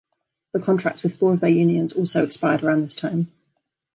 The contracts with four of their unions also expired around this time.